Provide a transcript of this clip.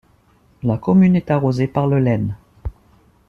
La commune est arrosée par le Leyne.